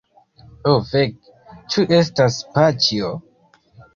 Ho fek, ĉu estas paĉjo?